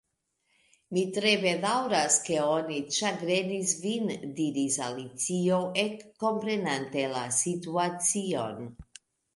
"Mi tre bedaŭras ke oni ĉagrenis vin," diris Alicio, ekkomprenante la situacion.